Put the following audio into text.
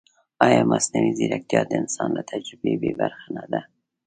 ایا مصنوعي ځیرکتیا د انسان له تجربې بېبرخې نه ده؟